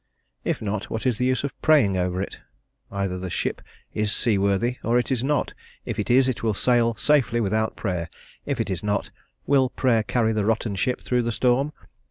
If not, what is the use of praying over it? Either the ship is seaworthy or it is not; if it is, it will sail safely without prayer; if it is not, will prayer carry the rotten ship through the storm?